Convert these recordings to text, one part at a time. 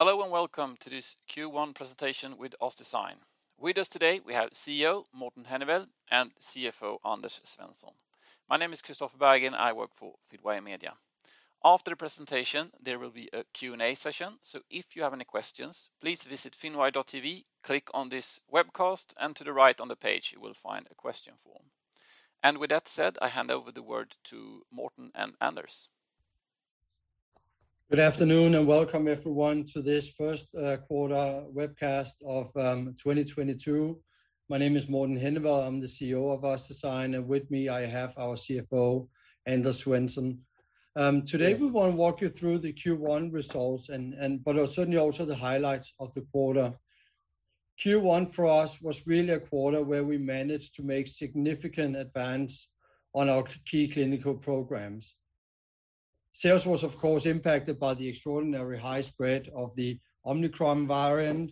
Hello and welcome to this Q1 presentation with OssDsign. With us today, we have CEO Morten Henneveld and CFO Anders Svensson. My name is Christopher Bergin, and I work for Finnwire Media. After the presentation, there will be a Q&A session, so if you have any questions, please visit finnwire.tv. Click on this webcast, and to the right on the page, you will find a question form, and with that said, I hand over the word to Morten and Anders. Good afternoon and welcome everyone to this Q1 webcast of 2022. My name is Morten Henneveld, I'm the CEO of OssDsign, and with me I have our CFO, Anders Svensson. Today we want to walk you through the Q1 results, but certainly also the highlights of the quarter. Q1 for us was really a quarter where we managed to make significant advances on our key clinical programs. Sales was, of course, impacted by the extraordinary high spread of the Omicron variant,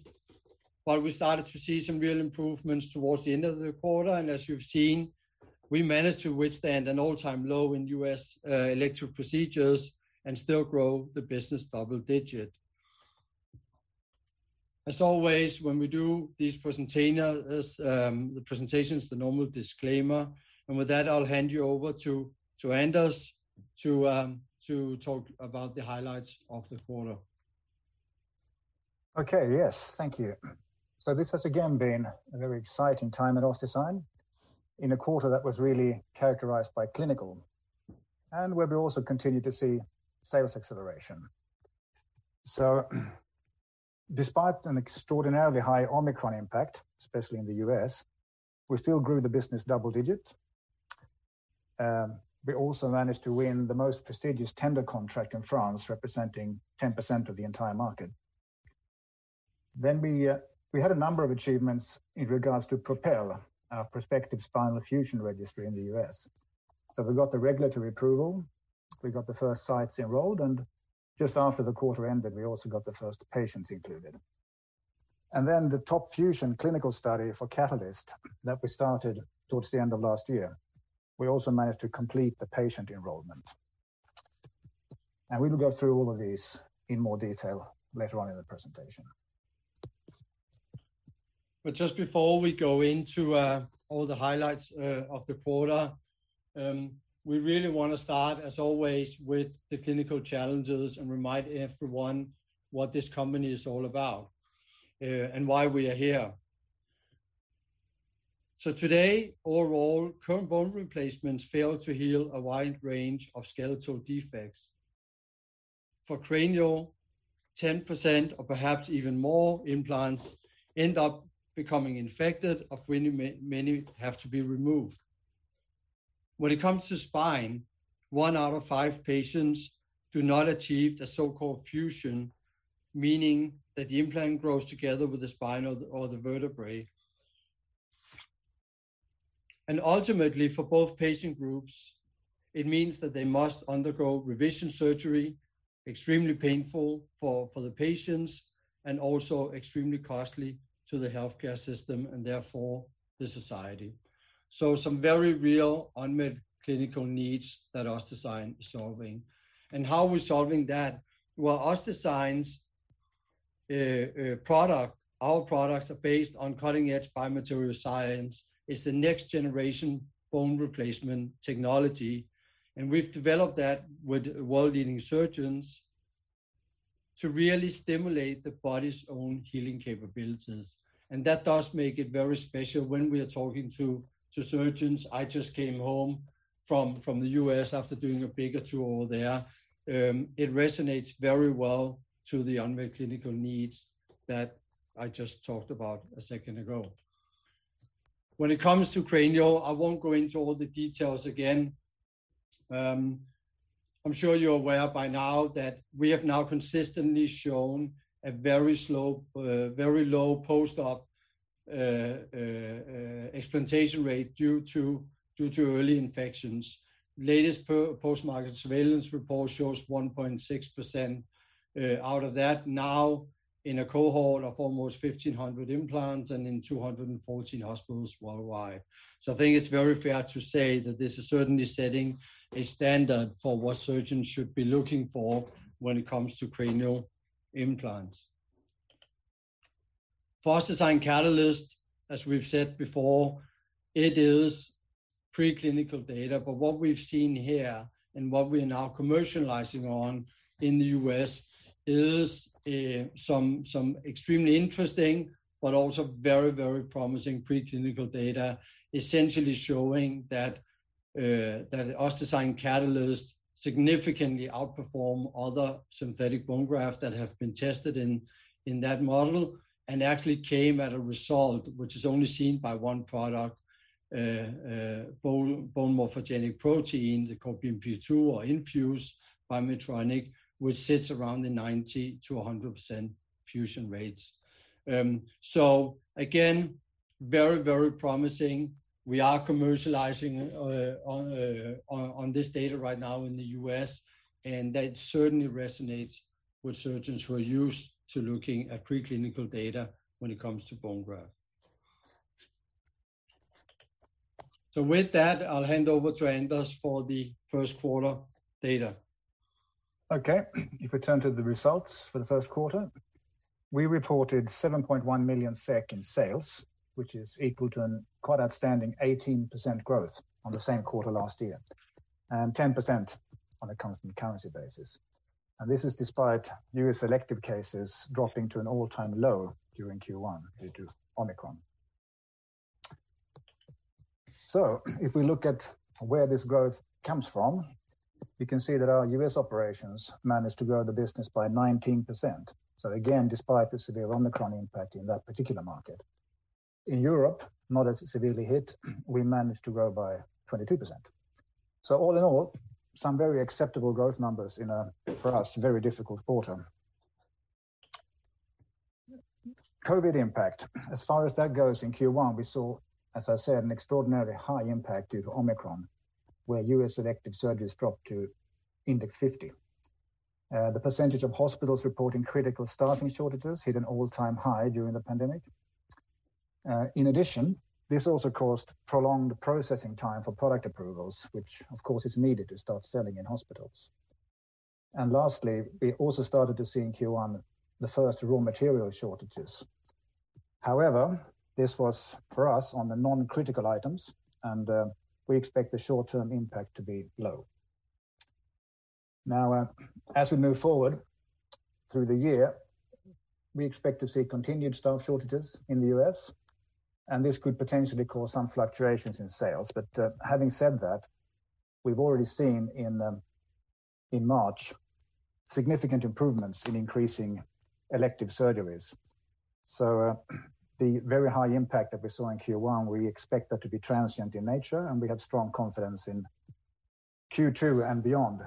but we started to see some real improvements towards the end of the quarter. And as you've seen, we managed to withstand an all-time low in U.S. elective procedures and still grow the business double-digit. As always, when we do these presentations, the normal disclaimer, and with that, I'll hand you over to Anders to talk about the highlights of the quarter. Okay, yes, thank you. So this has again been a very exciting time at OssDsign in a quarter that was really characterized by clinical, and where we also continue to see sales acceleration. So despite an extraordinarily high Omicron impact, especially in the U.S., we still grew the business double digit. We also managed to win the most prestigious tender contract in France, representing 10% of the entire market. Then we had a number of achievements in regards to PROPEL our prospective spinal fusion registry in the U.S. So we got the regulatory approval, we got the first sites enrolled, and just after the quarter ended, we also got the first patients included. And then the TOP FUSION clinical study for Catalyst that we started towards the end of last year, we also managed to complete the patient enrollment. We will go through all of these in more detail later on in the presentation. But just before we go into all the highlights of the quarter, we really want to start, as always, with the clinical challenges and remind everyone what this company is all about and why we are here. So today, overall, current bone replacements fail to heal a wide range of skeletal defects. For cranial, 10% or perhaps even more implants end up becoming infected, of which many have to be removed. When it comes to spine, one out of five patients do not achieve the so-called fusion, meaning that the implant grows together with the spine or the vertebrae. And ultimately, for both patient groups, it means that they must undergo revision surgery, extremely painful for the patients and also extremely costly to the healthcare system and therefore the society. So some very real unmet clinical needs that OssDsign is solving. And how are we solving that? OssDsign's product, our products, are based on cutting-edge biomaterial science. It's the next generation bone replacement technology, and we've developed that with world-leading surgeons to really stimulate the body's own healing capabilities, and that does make it very special when we are talking to surgeons. I just came home from the U.S. after doing a bigger tour over there. It resonates very well to the unmet clinical needs that I just talked about a second ago. When it comes to cranial, I won't go into all the details again. I'm sure you're aware by now that we have now consistently shown a very slow, very low post-op explantation rate due to early infections. Latest post-market surveillance report shows 1.6% out of that now in a cohort of almost 1,500 implants and in 214 hospitals worldwide. I think it's very fair to say that this is certainly setting a standard for what surgeons should be looking for when it comes to cranial implants. For OssDsign Catalyst, as we've said before, it is preclinical data, but what we've seen here and what we are now commercializing on in the US is some extremely interesting but also very, very promising preclinical data, essentially showing that OssDsign Catalyst significantly outperforms other synthetic bone grafts that have been tested in that model and actually came at a result which is only seen by one product, bone morphogenetic protein called BMP-2 or Infuse by Medtronic, which sits around the 90%-100% fusion rates. So again, very, very promising. We are commercializing on this data right now in the US, and that certainly resonates with surgeons who are used to looking at preclinical data when it comes to bone graft. So with that, I'll hand over to Anders for the Q1 data. Okay, if we turn to the results for the Q1, we reported 7.1 million SEK in sales, which is equal to a quite outstanding 18% growth on the same quarter last year and 10% on a constant currency basis. And this is despite U.S. elective cases dropping to an all-time low during Q1 due to Omicron. So if we look at where this growth comes from, you can see that our U.S. operations managed to grow the business by 19%. So again, despite the severe Omicron impact in that particular market. In Europe, not as severely hit, we managed to grow by 22%. So all in all, some very acceptable growth numbers in a, for us, very difficult quarter. COVID impact, as far as that goes in Q1, we saw, as I said, an extraordinary high impact due to Omicron, where U.S. elective surgeries dropped to index 50. The percentage of hospitals reporting critical staffing shortages hit an all-time high during the pandemic. In addition, this also caused prolonged processing time for product approvals, which of course is needed to start selling in hospitals, and lastly, we also started to see in Q1 the first raw material shortages. However, this was for us on the non-critical items, and we expect the short-term impact to be low. Now, as we move forward through the year, we expect to see continued staff shortages in the U.S., and this could potentially cause some fluctuations in sales, but having said that, we've already seen in March significant improvements in increasing elective surgeries, so the very high impact that we saw in Q1, we expect that to be transient in nature, and we have strong confidence in Q2 and beyond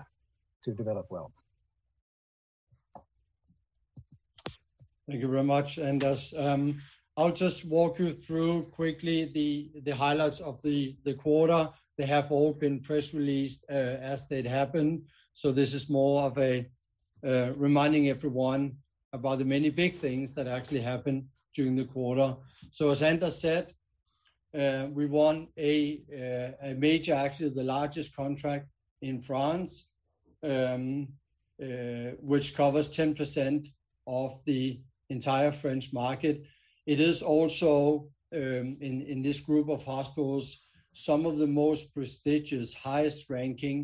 to develop well. Thank you very much, Anders. I'll just walk you through quickly the highlights of the quarter. They have all been press released as they happened. So this is more of a reminding everyone about the many big things that actually happened during the quarter. So as Anders said, we won a major tender, the largest contract in France, which covers 10% of the entire French market. It is also in this group of hospitals, some of the most prestigious, highest ranking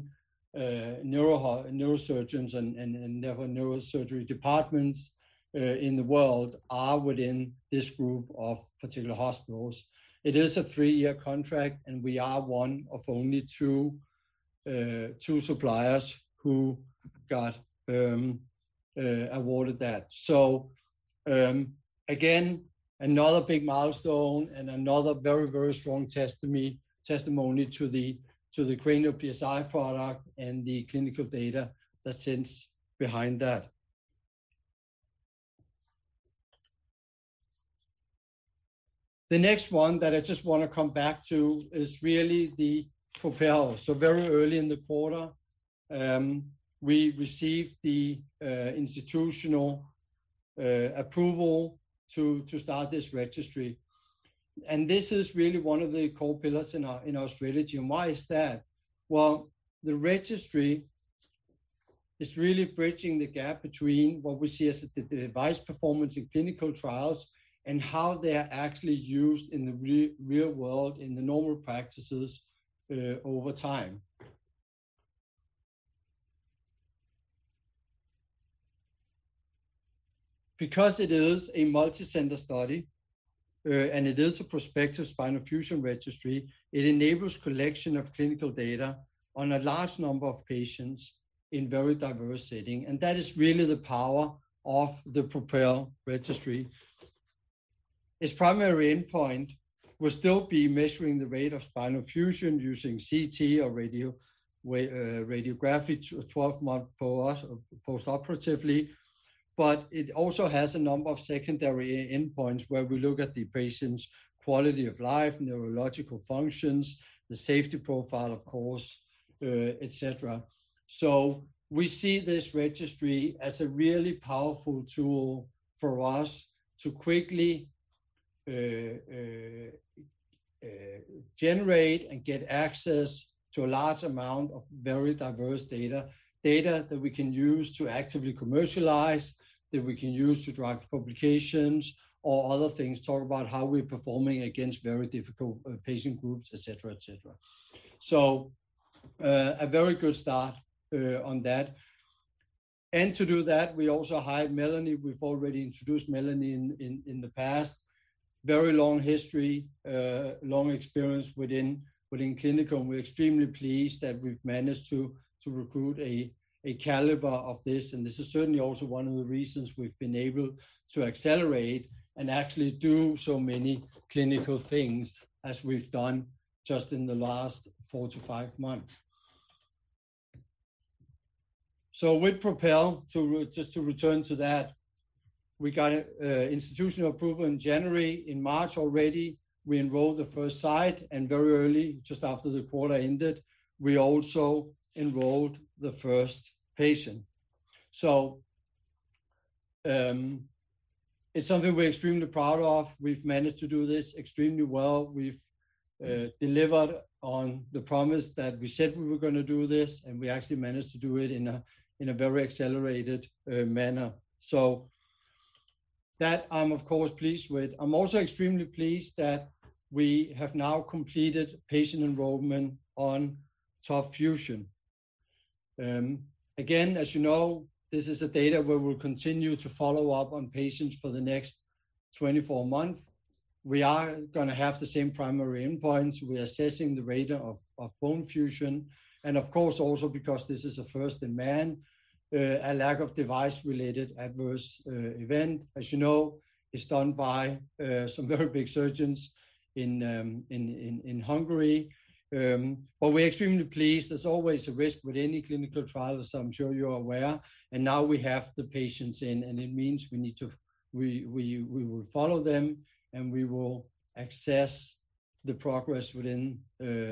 neurosurgeons and neurosurgery departments in the world are within this group of particular hospitals. It is a three-year contract, and we are one of only two suppliers who got awarded that. So again, another big milestone and another very, very strong testimony to the Cranial PSI product and the clinical data that stands behind that. The next one that I just want to come back to is really the PROPEL. So very early in the quarter, we received the institutional approval to start this registry, and this is really one of the core pillars in our strategy. And why is that? Well, the registry is really bridging the gap between what we see as the device performance in clinical trials and how they are actually used in the real world, in the normal practices over time. Because it is a multi-center study and it is a prospective spinal fusion registry, it enables collection of clinical data on a large number of patients in very diverse settings, and that is really the power of the PROPEL registry. Its primary endpoint will still be measuring the rate of spinal fusion using CT or radiography 12 months post-operatively, but it also has a number of secondary endpoints where we look at the patient's quality of life, neurological functions, the safety profile, of course, et cetera. So we see this registry as a really powerful tool for us to quickly generate and get access to a large amount of very diverse data, data that we can use to actively commercialize, that we can use to drive publications or other things, talk about how we're performing against very difficult patient groups, et cetera, et cetera. So a very good start on that. And to do that, we also hired Melanie. We've already introduced Melanie in the past. Very long history, long experience within clinical. We're extremely pleased that we've managed to recruit a caliber of this. This is certainly also one of the reasons we've been able to accelerate and actually do so many clinical things as we've done just in the last four to five months. With PROPEL, just to return to that, we got institutional approval in January. In March already, we enrolled the first site and very early, just after the quarter ended, we also enrolled the first patient. It's something we're extremely proud of. We've managed to do this extremely well. We've delivered on the promise that we said we were going to do this, and we actually managed to do it in a very accelerated manner. That I'm, of course, pleased with. I'm also extremely pleased that we have now completed patient enrollment on TOP FUSION. Again, as you know, this is a study where we'll continue to follow up on patients for the next 24 months. We are going to have the same primary endpoints. We are assessing the rate of bone fusion. And of course, also because this is a first in man, a lack of device-related adverse event, as you know, is done by some very big surgeons in Hungary. But we're extremely pleased. There's always a risk with any clinical trial, as I'm sure you're aware. And now we have the patients in, and it means we need to, we will follow them and we will access the progress within,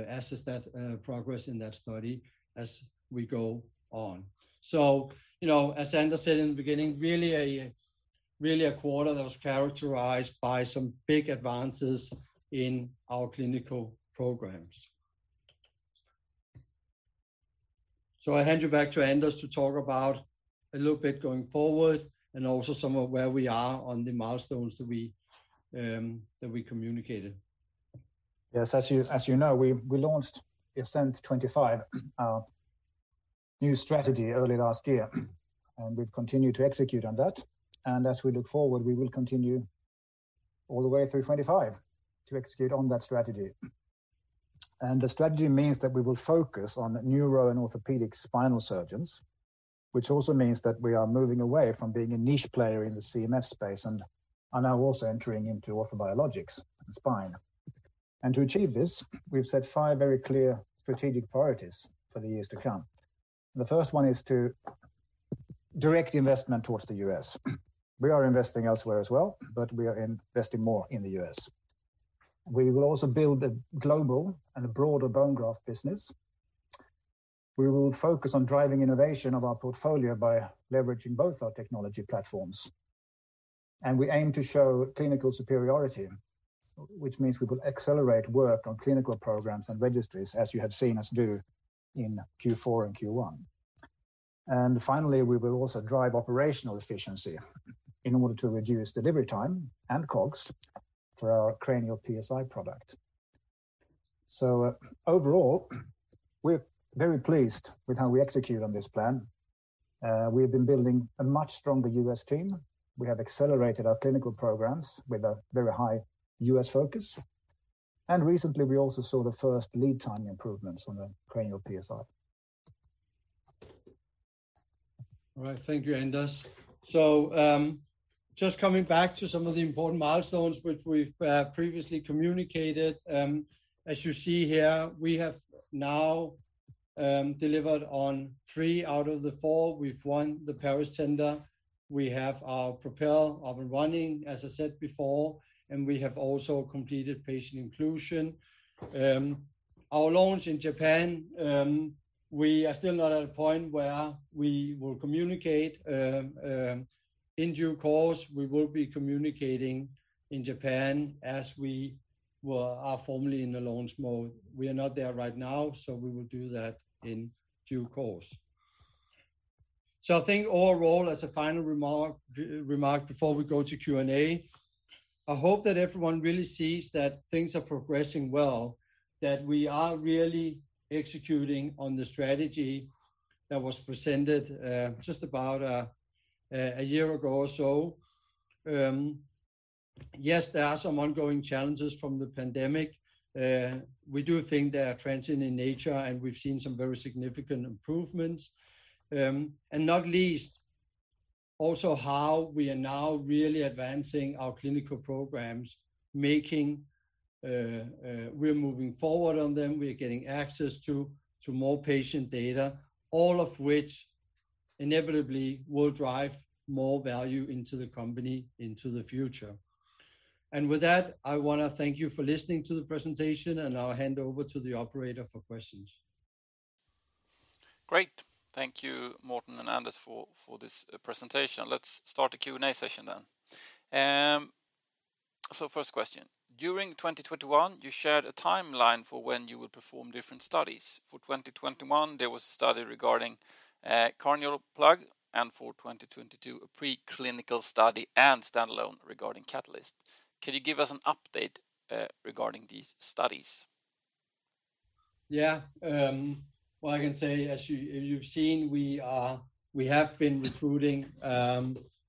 assess that progress in that study as we go on. So, you know, as Anders said in the beginning, really a quarter that was characterized by some big advances in our clinical programs. So I'll hand you back to Anders to talk about a little bit going forward and also some of where we are on the milestones that we communicated. Yes, as you know, we launched the Ascent25 new strategy early last year, and we've continued to execute on that. And as we look forward, we will continue all the way through 2025 to execute on that strategy. And the strategy means that we will focus on neuro and orthopedic spinal surgeons, which also means that we are moving away from being a niche player in the CMF space and are now also entering into orthobiologics and spine. And to achieve this, we've set five very clear strategic priorities for the years to come. The first one is to direct investment towards the U.S. We are investing elsewhere as well, but we are investing more in the U.S. We will also build a global and a broader bone graft business. We will focus on driving innovation of our portfolio by leveraging both our technology platforms. And we aim to show clinical superiority, which means we will accelerate work on clinical programs and registries, as you have seen us do in Q4 and Q1. And finally, we will also drive operational efficiency in order to reduce delivery time and costs for our cranial PSI product. So overall, we're very pleased with how we execute on this plan. We have been building a much stronger U.S. team. We have accelerated our clinical programs with a very high U.S. focus. And recently, we also saw the first lead time improvements on the cranial PSI. All right, thank you, Anders. So just coming back to some of the important milestones which we've previously communicated, as you see here, we have now delivered on three out of the four. We've won the Paris tender. We have our PROPEL up and running, as I said before, and we have also completed patient inclusion. Our launch in Japan, we are still not at a point where we will communicate in due course. We will be communicating in Japan as we are formally in the launch mode. We are not there right now, so we will do that in due course. So I think overall, as a final remark before we go to Q&A, I hope that everyone really sees that things are progressing well, that we are really executing on the strategy that was presented just about a year ago or so. Yes, there are some ongoing challenges from the pandemic. We do think they are transient in nature, and we've seen some very significant improvements. Not least, also how we are now really advancing our clinical programs, making sure we're moving forward on them. We are getting access to more patient data, all of which inevitably will drive more value into the company into the future. With that, I want to thank you for listening to the presentation, and I'll hand over to the operator for questions. Great. Thank you, Morten and Anders for this presentation. Let's start the Q&A session then. So first question, during 2021, you shared a timeline for when you would perform different studies. For 2021, there was a study regarding Cranial Plug, and for 2022, a preclinical study and standalone regarding catalyst. Can you give us an update regarding these studies? Yeah. Well, I can say, as you've seen, we have been recruiting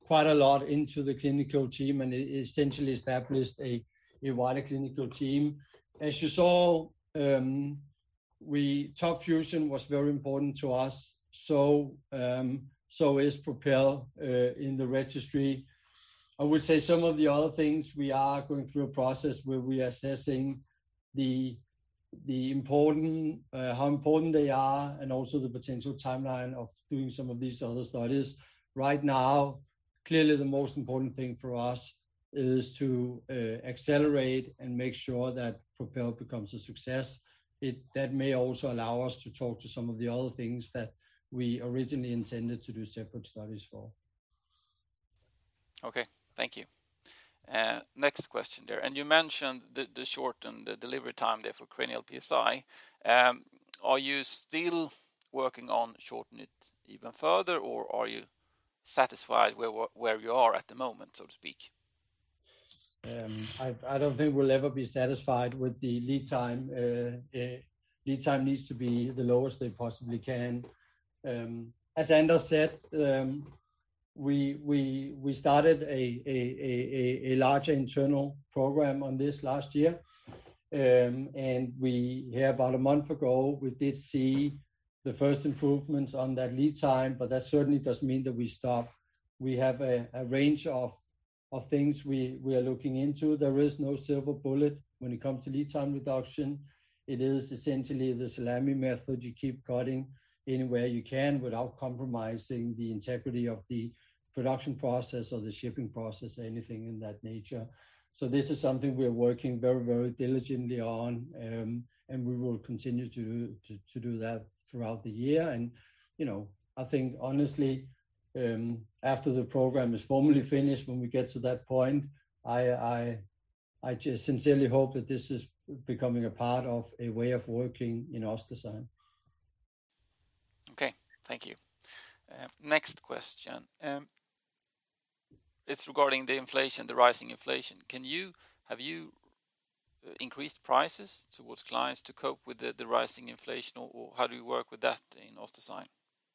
quite a lot into the clinical team, and it essentially established a wider clinical team. As you saw, TOP FUSION was very important to us, so is PROPEL in the registry. I would say some of the other things, we are going through a process where we are assessing how important they are and also the potential timeline of doing some of these other studies. Right now, clearly the most important thing for us is to accelerate and make sure that PROPEL becomes a success. That may also allow us to talk to some of the other things that we originally intended to do separate studies for. Okay, thank you. Next question there. And you mentioned the shortened delivery time there for cranial PSI. Are you still working on shortening it even further, or are you satisfied where you are at the moment, so to speak? I don't think we'll ever be satisfied with the lead time. Lead time needs to be the lowest they possibly can. As Anders said, we started a larger internal program on this last year, and here about a month ago, we did see the first improvements on that lead time, but that certainly doesn't mean that we stopped. We have a range of things we are looking into. There is no silver bullet when it comes to lead time reduction. It is essentially the salami method. You keep cutting anywhere you can without compromising the integrity of the production process or the shipping process or anything in that nature, so this is something we're working very, very diligently on, and we will continue to do that throughout the year. I think, honestly, after the program is formally finished, when we get to that point, I just sincerely hope that this is becoming a part of a way of working in OssDsign. Okay, thank you. Next question. It's regarding the inflation, the rising inflation. Have you increased prices toward clients to cope with the rising inflation, or how do you work with that in OssDsign?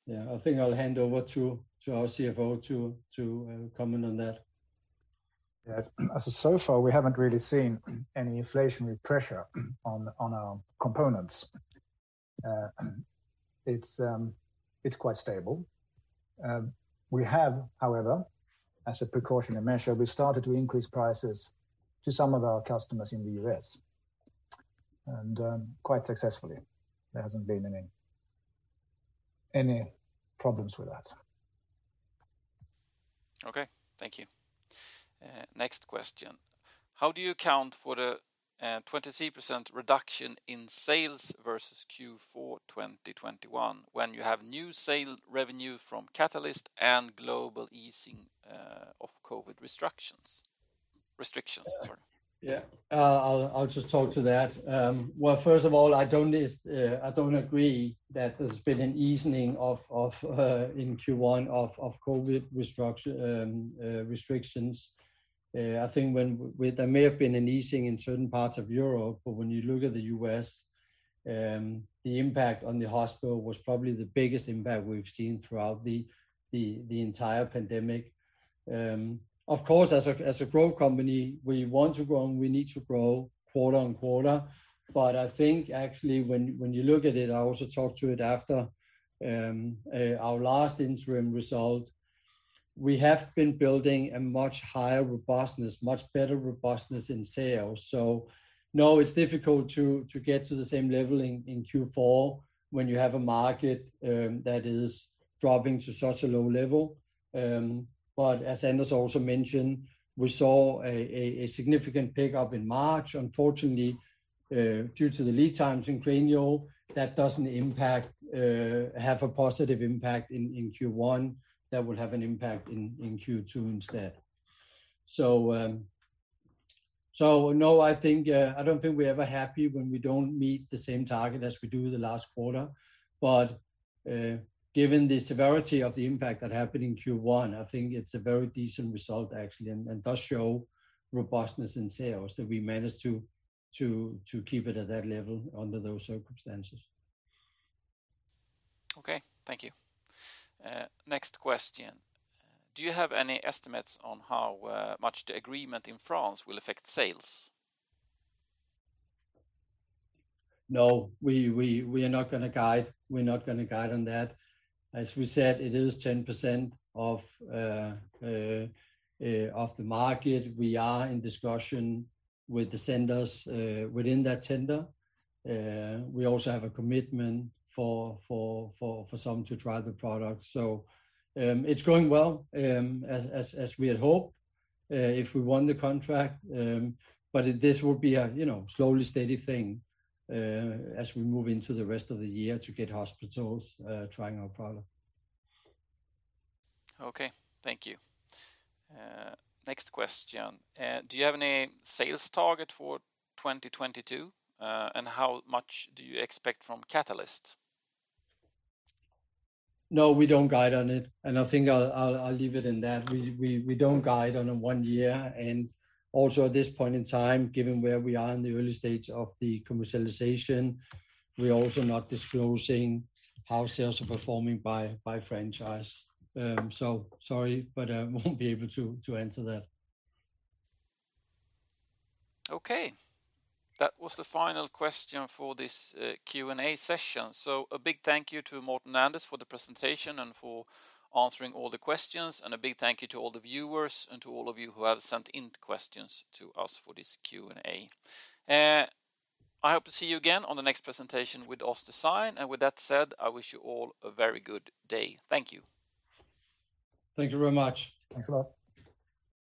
Yeah, I think I'll hand over to our CFO to comment on that. Yes. So far, we haven't really seen any inflationary pressure on our components. It's quite stable. We have, however, as a precautionary measure, we started to increase prices to some of our customers in the U.S., and quite successfully. There hasn't been any problems with that. Okay, thank you. Next question. How do you account for the 23% reduction in sales versus Q4 2021 when you have new sales revenue from Catalyst and global easing of COVID restrictions? Yeah, I'll just talk to that. Well, first of all, I don't agree that there's been an easing in Q1 of COVID restrictions. I think there may have been an easing in certain parts of Europe, but when you look at the US, the impact on the hospital was probably the biggest impact we've seen throughout the entire pandemic. Of course, as a growth company, we want to grow and we need to grow quarter on quarter. But I think actually when you look at it. I also talked to it after our last interim result. We have been building a much higher robustness, much better robustness in sales. So no, it's difficult to get to the same level in Q4 when you have a market that is dropping to such a low level. But as Anders also mentioned, we saw a significant pickup in March. Unfortunately, due to the lead times in cranial, that doesn't have a positive impact in Q1. That would have an impact in Q2 instead. So no, I don't think we're ever happy when we don't meet the same target as we do the last quarter. But given the severity of the impact that happened in Q1, I think it's a very decent result actually and does show robustness in sales that we managed to keep it at that level under those circumstances. Okay, thank you. Next question. Do you have any estimates on how much the agreement in France will affect sales? No, we are not going to guide. We're not going to guide on that. As we said, it is 10% of the market. We are in discussion with the vendors within that tender. We also have a commitment for some to try the product. So it's going well as we had hoped if we won the contract. But this will be a slow and steady thing as we move into the rest of the year to get hospitals trying our product. Okay, thank you. Next question. Do you have any sales target for 2022, and how much do you expect from Catalyst? No, we don't guide on it. And I think I'll leave it in that. We don't guide on a one year. And also at this point in time, given where we are in the early stage of the commercialization, we're also not disclosing how sales are performing by franchise. So sorry, but I won't be able to answer that. Okay. That was the final question for this Q&A session. So a big thank you to Morten and Anders for the presentation and for answering all the questions. And a big thank you to all the viewers and to all of you who have sent in questions to us for this Q&A. I hope to see you again on the next presentation with OssDsign. And with that said, I wish you all a very good day. Thank you. Thank you very much. Thanks a lot.